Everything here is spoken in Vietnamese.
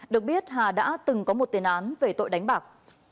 được biết hà đã từng có một tiền án về tội đánh bạc